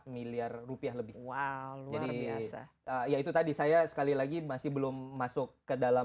miliar rupiah lebih wow jadi ya itu tadi saya sekali lagi masih belum masuk ke dalam